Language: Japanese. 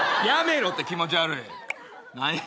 やめろって気持ち悪い。